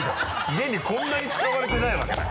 現にこんなに使われてないわけだから。